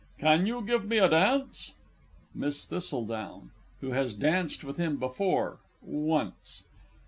Can you give me a dance? MISS THISTLEDOWN (who has danced with him before once).